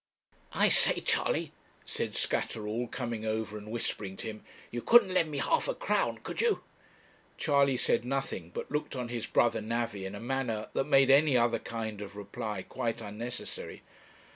'I say, Charley,' said Scatterall, coming over and whispering to him, 'you couldn't lend me half a crown, could you?' Charley said nothing, but looked on his brother navvy in a manner that made any other kind of reply quite unnecessary.